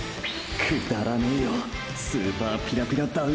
くだらねーよ“スーパーピラピラダウンヒル”！！